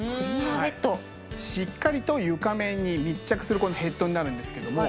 しっかりと床面に密着するヘッドになるんですけども。